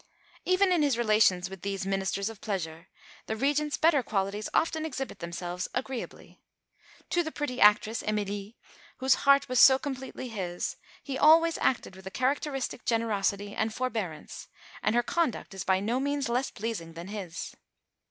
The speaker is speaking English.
Even in his relations with these ministers of pleasure, the Regent's better qualities often exhibit themselves agreeably. To the pretty actress, Emilie, whose heart was so completely his, he always acted with a characteristic generosity and forbearance; and her conduct is by no means less pleasing than his.